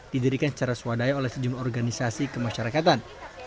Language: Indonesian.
didirikan secara swadaya oleh sejumlah organisasi kemasyarakatan